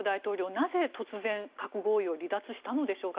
なぜ突然核合意を離脱したのでしょうか。